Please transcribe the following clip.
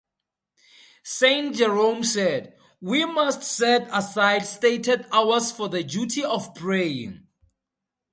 Saint Jerome said, ...we must set aside stated hours for the duty of praying.